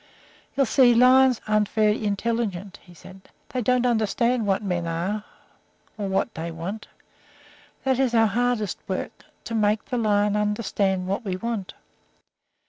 "You see, lions aren't very intelligent," said he; "they don't understand what men are or what they want. That is our hardest work to make a lion understand what we want.